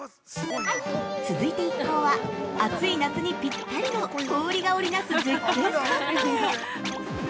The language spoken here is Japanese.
続いて一向は、暑い夏にぴったりの氷が織り成す絶景スポットへ。